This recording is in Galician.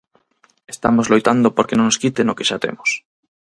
"Estamos loitando porque no nos quiten o que xa temos".